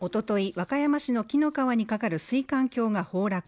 和歌山市の紀の川に架かる水管橋が崩落